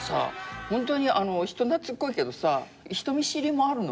ホントに人懐っこいけどさ人見知りもあるの？